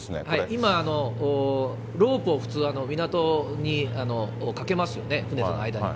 今、ロープを普通、港にかけますよね、船との間に。